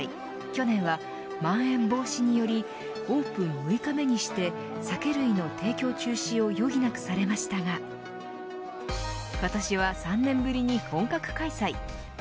去年はまん延防止によりオープン６日目にして酒類の提供中止を余儀なくされましたが今年は３年ぶりに本格開催。